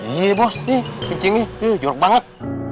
iya bos ini kencingnya jorok banget